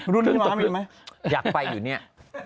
รุ่นนี้มารีวะไหม